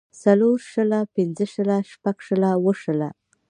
څلور شله پنځۀ شله شټږ شله اووه شله